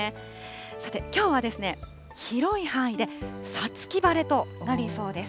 さて、きょうは広い範囲で五月晴れとなりそうです。